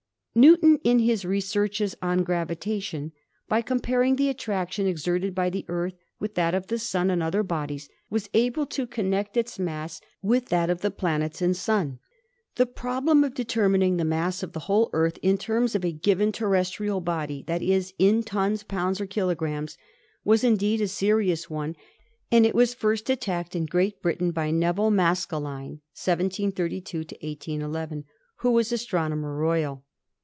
Newton in his researches on gravitation, by comparing the attraction exerted by the Earth with that of the Sun and other bodies, was able to connect its mass with that of the planets and Sun. The problem of determining the mass of the whole Earth in terms of a given terrestrial body — that is, in tons, pounds or kilograms — was indeed a serious one, and it was first attacked in Great Britain by Nevil Maskelyne (1732 1811), who was Astronomer Royal.